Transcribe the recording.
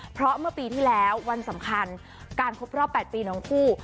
เพราะเมื่อปีที่แล้ววันสำคัญการครบรอบ๘ปีน้องคู่